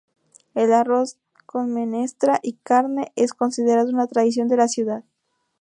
El arroz con menestra y carne es considerado una tradición de la ciudad.